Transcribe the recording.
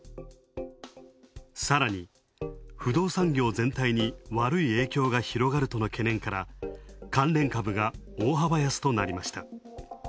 さらに、不動産業全体に悪い影響が広がるとの懸念から、関連株が大幅安となりました。